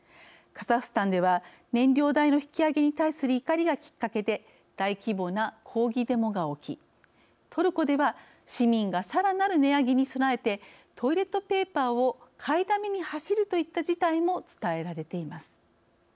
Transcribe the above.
カザフスタンでは燃料代の引き上げに対する怒りがきっかけで大規模な抗議デモが起きトルコでは市民がさらなる値上げに備えてトイレットペーパーを買いだめに走るといった事態も伝えられています。